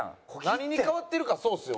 何に変わってるかそうですよ。